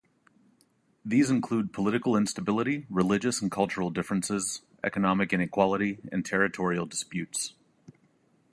These include political instability, religious and cultural differences, economic inequality, and territorial disputes.